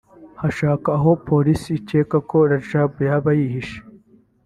hasakwa aho Polisi ikeka ko Radjabu yaba yihishe